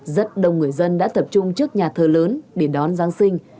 rất đông người dân đã tập trung trước nhà thờ lớn để đón giáng sinh